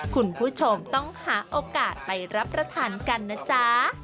คุณผู้ชมต้องหาโอกาสไปรับประทานกันนะจ๊ะ